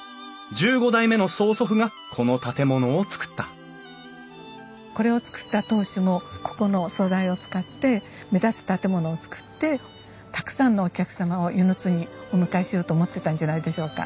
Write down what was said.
１５代目の曽祖父がこの建物をつくったこれをつくった当主もここの素材を使って目立つ建物をつくってたくさんのお客様を温泉津にお迎えしようと思ってたんじゃないでしょうか。